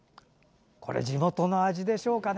地元の味でしょうかね。